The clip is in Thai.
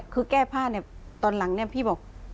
คือแก้พลาดตอนหลังพี่บอก